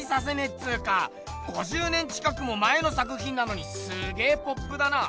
っつうか５０年近くも前の作品なのにすげポップだな。